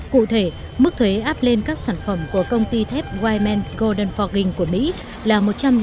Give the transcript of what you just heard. cụ thể mức thuế áp lên các sản phẩm của công ty thép wiman golden forging của mỹ là một trăm linh